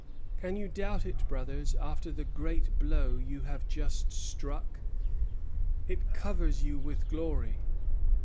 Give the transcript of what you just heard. Can you doubt it, brothers, after the great blow you have just struck? It covers you with glory.